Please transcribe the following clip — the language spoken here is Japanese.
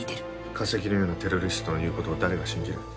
化石のようなテロリストの言う事を誰が信じる？